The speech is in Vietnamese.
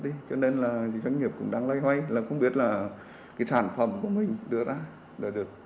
định cho nên là doanh nghiệp cũng đang lây hoay là không biết là cái sản phẩm của mình đưa ra là được